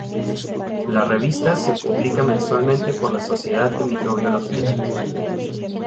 La revista se publica mensualmente por la Sociedad de Microbiología.